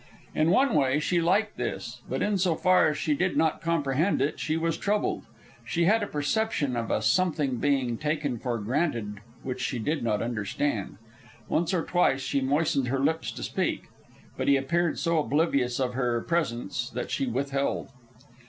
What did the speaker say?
In one way, she liked this; but in so far as she did not comprehend it, she was troubled. She had a perception of a something being taken for granted which she did not understand. Once or twice she moistened her lips to speak, but he appeared so oblivious of her presence that she withheld.